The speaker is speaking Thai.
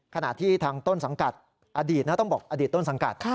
ขณะที่ทางต้นสังกัดอดีตนะต้องบอกอดีตต้นสังกัด